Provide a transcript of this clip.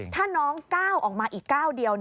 ถ้าน้องก้าวออกมาอีกก้าวเดียว